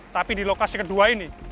tapi di lokasi kedua ini